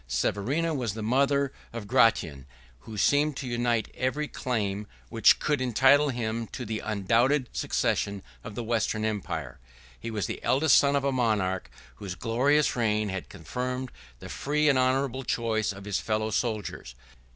Severa was the mother of Gratian, who seemed to unite every claim which could entitle him to the undoubted succession of the Western empire. He was the eldest son of a monarch whose glorious reign had confirmed the free and honorable choice of his fellow soldiers.